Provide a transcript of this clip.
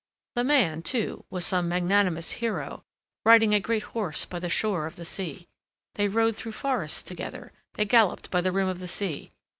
The man, too, was some magnanimous hero, riding a great horse by the shore of the sea. They rode through forests together, they galloped by the rim of the sea.